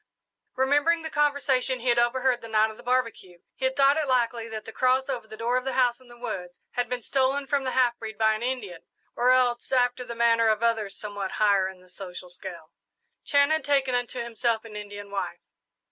Remembering the conversation he had overheard the night of the barbecue, he had thought it likely that the cross over the door of the house in the woods had been stolen from the half breed by an Indian, or else, after the manner of others somewhat higher in the social scale, Chan had taken unto himself an Indian wife.